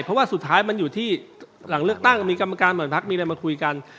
เพราะว่าสุดท้ายมันอยู่ที่หลังเลือกตั้งมีกรรมการบางพักมีอะไรมาคุยกัน